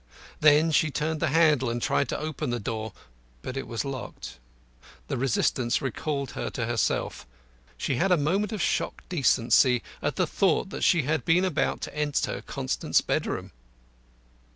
Then she turned the handle and tried to open the door, but it was locked. The resistance recalled her to herself she had a moment of shocked decency at the thought that she had been about to enter Constant's bedroom.